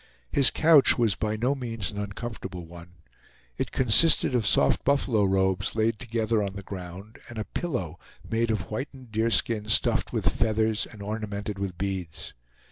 His couch was by no means an uncomfortable one. It consisted of soft buffalo robes laid together on the ground, and a pillow made of whitened deerskin stuffed with feathers and ornamented with beads.